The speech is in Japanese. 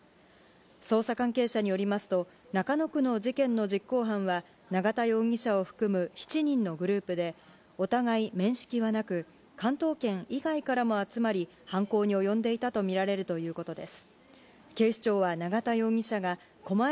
捜査関係者によりますと、中野区の事件の実行犯は、永田容疑者を含む７人のグループで、お互い面識はなく、関東圏以外からも集まり、犯行に及んでいたと見られるということです。